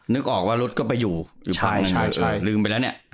นึกออกว่ารถก็ไปอยู่ลืมไปแล้วเนี่ย